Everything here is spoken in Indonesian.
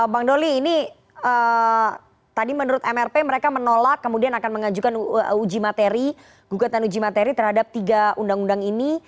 bang doli ini tadi menurut mrp mereka menolak kemudian akan mengajukan uji materi gugatan uji materi terhadap tiga undang undang ini